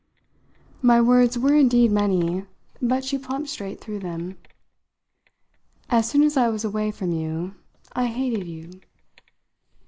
My words were indeed many, but she plumped straight through them. "As soon as I was away from you I hated you."